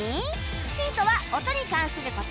ヒントは音に関する事